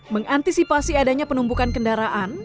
mengantisipasi adanya penumpukan kendaraan